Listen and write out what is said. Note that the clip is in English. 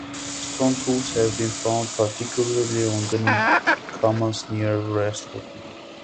Stone tools have been found particularly on the commons near Wressle.